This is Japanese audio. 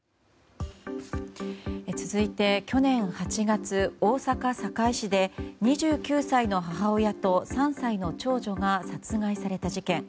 続いて、去年８月大阪・堺市で２９歳の母親と３歳の長女が殺害された事件。